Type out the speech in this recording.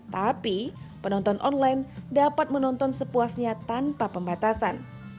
tapi penonton online dapat menonton sepuasnya tanpa pembatasan